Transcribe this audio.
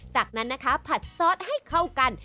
จากนั้นนะคะผัดซอสให้เข้ากัน